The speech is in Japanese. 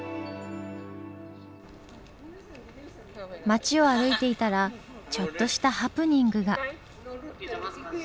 街を歩いていたらちょっとしたハプニングが。